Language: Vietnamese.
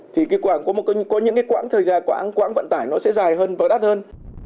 thì có những quãng thời gian quãng vận tải nó sẽ dài hơn và đắt hơn